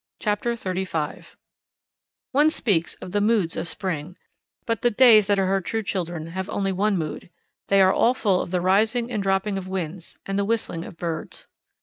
Chapter 35 One speaks of the moods of spring, but the days that are her true children have only one mood; they are all full of the rising and dropping of winds, and the whistling of birds.